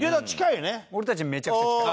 俺たちめちゃくちゃ近い。